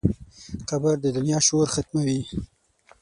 قبر د دنیا شور ختموي.